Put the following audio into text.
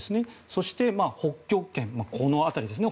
そして、北極圏この辺りですね